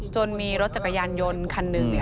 จนมีรถจักรยายณยนต์ครั้นนึง